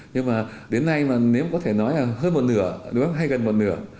nhưng mà đến nay nếu có thể nói là hơn một nửa hay gần một nửa